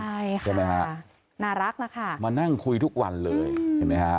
ใช่ค่ะใช่ไหมฮะน่ารักนะคะมานั่งคุยทุกวันเลยเห็นไหมฮะ